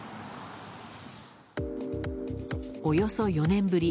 およそ４年ぶり